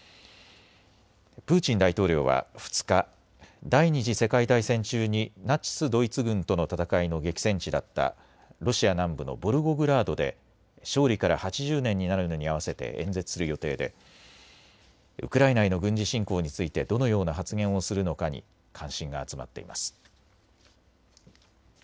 プーチン大統領は２日、第２次世界大戦中にナチス・ドイツ軍との戦いの激戦地だったロシア南部のボルゴグラードで、勝利から８０年になるのに合わせて演説する予定でウクライナへの軍事侵攻についてどのような発言をするのかに関心が集まっています。